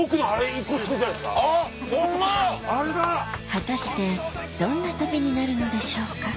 果たしてどんな旅になるのでしょうか？